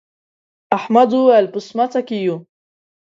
احمد وويل: په سمڅه کې یو.